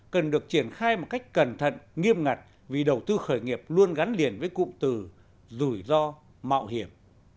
cần được triển khai một cách cẩn thận nghiêm ngặt vì đầu tư khởi nghiệp luôn gắn liền với cụm từ rủi ro mạo hiểm